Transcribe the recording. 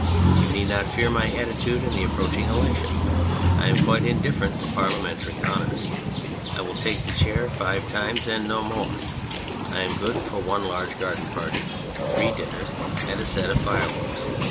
You need not fear my attitude in the approaching election ; I am quite indifferent to parliamentary honoui'S, I will take the chair five times and no more ; I am good for one large garden party, three dinners, and a set of fireworks.